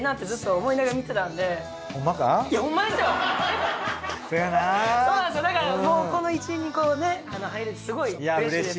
そうなんですよだからもうこの位置にこうね入れてすごいうれしいです。